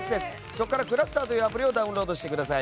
そこからｃｌｕｓｔｅｒというアプリをダウンロードしてください。